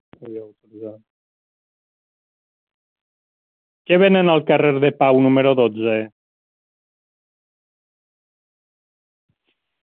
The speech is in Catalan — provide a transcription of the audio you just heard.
Què venen al carrer de Pau número dotze?